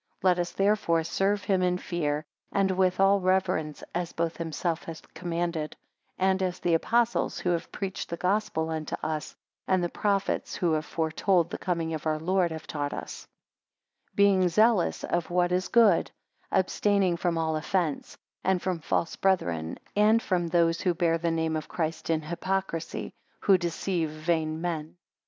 19 Let us therefore serve him in fear, and with all reverence as both himself hath commanded; and as the Apostles who have preached the Gospel unto us, and the prophets who have foretold the coming of our Lord have taught us: 20 Being zealous of what is good; abstaining from all offence, and from false brethren; and from those who bear the name of Christ in hypocrisy; who deceive vain men.